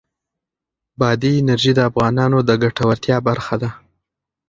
بادي انرژي د افغانانو د ګټورتیا برخه ده.